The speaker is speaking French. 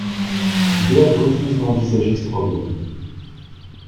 Berg refuse d'envisager ce problème.